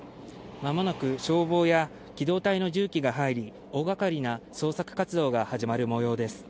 まもなく消防や機動隊の重機が入り、大がかりな捜索活動が始まるもようです。